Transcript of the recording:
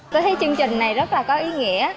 tôi thấy chương trình này rất là có ý nghĩa